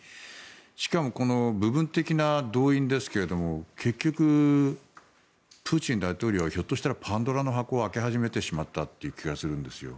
しかも、部分的な動員ですけども結局、プーチン大統領はひょっとしたらパンドラの箱を開け始めてしまったと思うんですよ。